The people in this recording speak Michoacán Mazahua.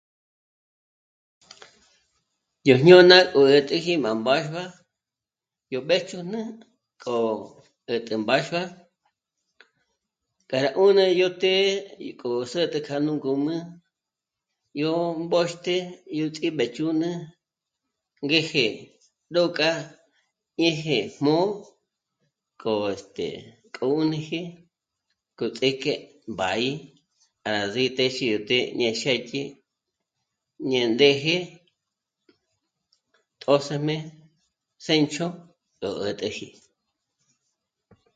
Yó jñôna gú 'ä̀t'äji ná mbáxua yó mbéjch'ún'ü k'o 'ä̀t'ä mbáxua, k'a rá 'ùnü yó të́'ë í k'o zä̀t'ä kja nú ngǔm'ü yó mbóxte, yó ts'íbéch'ún'ü ngéje ró k'â'a, ñéje jmū́'ū k'o este... k'ǔn'uji k'o ts'íjk'e bá'i para ndzítéxi të́'ë ñé xë́dyi, ñe ndéje, tjö́sëjme, séncho gú 'ä̀t'äji